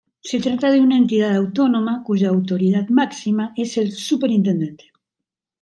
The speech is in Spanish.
Se trata de una entidad autónoma, cuya autoridad máxima es el Superintendente.